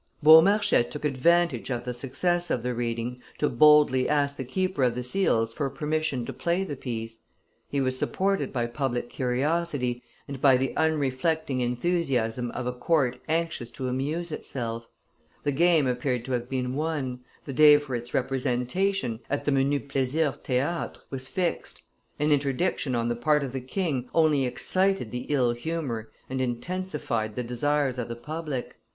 Beaumarchais took advantage of the success of the reading to boldly ask the keeper of the seals for permission to play the piece; he was supported by public curiosity, and by the unreflecting enthusiasm of a court anxious to amuse itself; the game appeared to have been won, the day for its representation, at the Menus Plaisirs Theatre, was fixed, an interdiction on the part of the king only excited the ill humor and intensified the desires of the public.